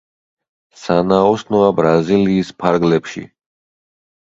სანაოსნოა ბრაზილიის ფარგლებში.